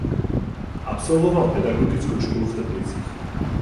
Absolvoval Pedagogickou školu v Teplicích.